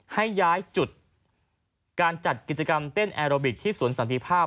ให้ย้ายจุดการจัดกิจกรรมเต้นแอโรบิกที่สวนสันติภาพ